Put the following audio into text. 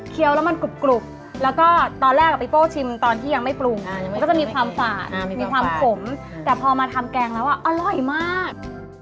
แล้วมันกรุบแล้วก็ตอนแรกพี่โป้ชิมตอนที่ยังไม่ปรุงมันก็จะมีความฝาดมีความขมแต่พอมาทำแกงแล้วอร่อยมาก